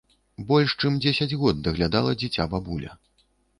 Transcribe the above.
Больш чым дзесяць год даглядала дзіця бабуля.